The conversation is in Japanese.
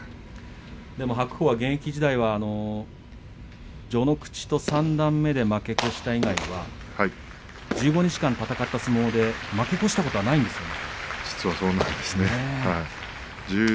白鵬は現役時代には序ノ口三段目で負け越した以外は１５日間戦った相撲で負け越したことはないですね。